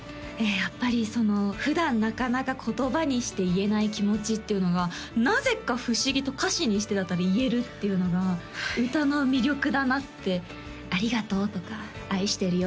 やっぱり普段なかなか言葉にして言えない気持ちっていうのがなぜか不思議と歌詞にしてだったら言えるっていうのが歌の魅力だなって「ありがとう」とか「愛してるよ」